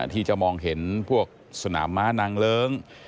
ที่จะมองเห็นพวกสนามม้านางเลิ้ง